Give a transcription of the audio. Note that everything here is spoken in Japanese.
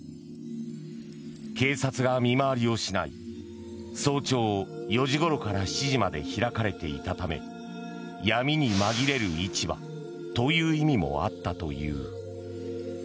警察が見回りをしない早朝４時ごろから７時まで開かれていたため闇に紛れる市場という意味もあったという。